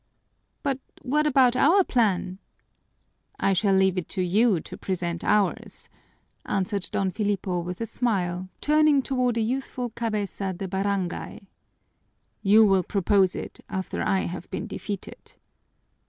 "But what about our plan?" "I shall leave it to you to present ours," answered Don Filipo with a smile, turning toward a youthful cabeza de barangay. "You will propose it after I have been defeated."